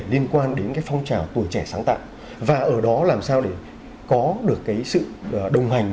liên quan đến cái phong trào tuổi trẻ sáng tạo và ở đó làm sao để có được cái sự đồng hành